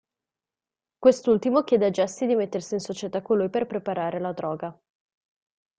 Quest'ultimo chiede a Jesse di mettersi in società con lui per preparare la droga.